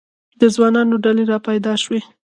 د ځوانانو ډلې را پیدا شوې.